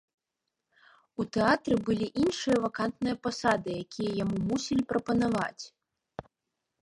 У тэатры былі іншыя вакантныя пасады, якія яму мусілі прапанаваць.